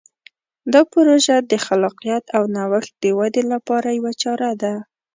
دا پروژه د خلاقیت او نوښت د ودې لپاره یوه چاره ده.